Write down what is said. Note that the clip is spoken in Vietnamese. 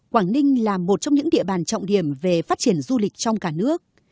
quảng ninh là một trong những địa bàn trọng điểm về phát triển du lịch trong cả nước